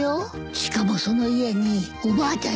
しかもその家におばあちゃん